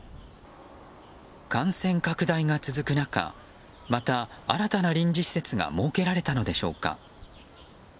感染拡大が続く中また新たな臨時施設が設けられたのでしょうか。